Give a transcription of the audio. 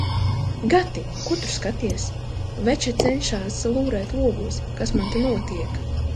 Gati, ko tur skaties? Veča cenšas lūrēt logos, kas man te notiek.